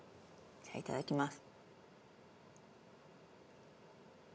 じゃあいただきます。